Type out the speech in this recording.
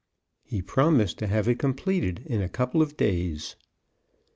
He promised to have it completed in a couple of days.